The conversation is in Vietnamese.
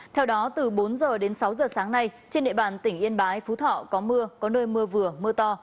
theo đó từ bốn h đến sáu giờ sáng nay trên địa bàn tỉnh yên bái phú thọ có mưa có nơi mưa vừa mưa to